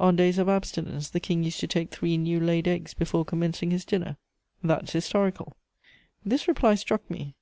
On days of abstinence the King used to take three new laid eggs before commencing his dinner: "That's historical!" This reply struck me.